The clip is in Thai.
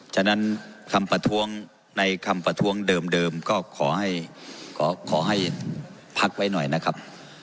ฉะนั้นในคำประท้วงเดิมก็ขอให้พักไว้หน่อยนะครับ